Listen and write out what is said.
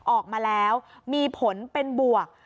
ออกมาแล้วมีผลเป็นบวก